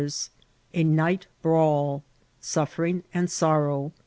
—▲ Niglift brawL— Suflbring and Sorrow.